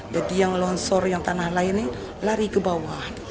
jadi yang longsor yang tanah lainnya lari ke bawah